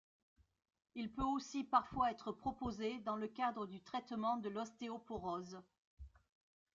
Il peut aussi parfois être proposé dans le cadre du traitement de l’ostéoporose.